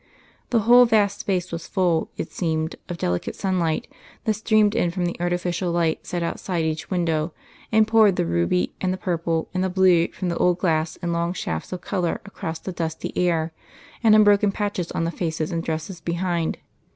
The whole vast space was full, it seemed, of delicate sunlight that streamed in from the artificial light set outside each window, and poured the ruby and the purple and the blue from the old glass in long shafts of colour across the dusty air, and in broken patches on the faces and dresses behind.